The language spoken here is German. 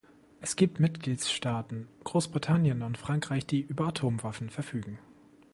Es gibt Mitgliedstaaten Großbritannien und Frankreich, die über Atomwaffen verfügen.